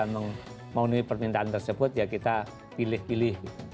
kalau kita mau menulis permintaan tersebut ya kita pilih pilih gitu